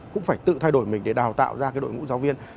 cũng phải tự thay đổi mình để đào tạo ra cái đội ngũ giáo viên